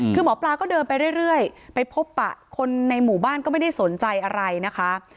คือหมอปลาก็เดินไปเรื่อยไปพบปะคนในหมู่บ้านก็ไม่ได้สนใจอะไรนะคะ